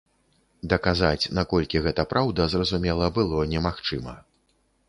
Даказаць, наколькі гэта праўда, зразумела, было немагчыма.